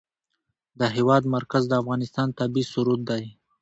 د هېواد مرکز د افغانستان طبعي ثروت دی.